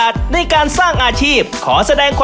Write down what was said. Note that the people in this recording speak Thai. ปะติ๋วเสมอราคาก็ยังไม่ได้ขึ้นราคาเลยค่ะ